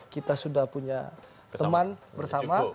kita sudah punya teman bersama